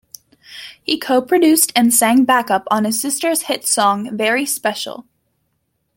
He co-produced and sang backup on his sister's hit song, Very Special.